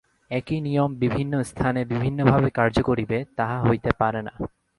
একই নিয়ম বিভিন্ন স্থানে বিভিন্নভাবে কার্য করিবে, তাহা হইতে পারে না।